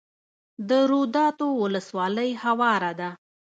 د روداتو ولسوالۍ هواره ده